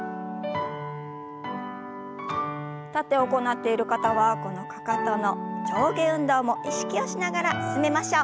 立って行っている方はこのかかとの上下運動も意識をしながら進めましょう。